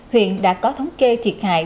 huyện đã có thống kê thiệt hại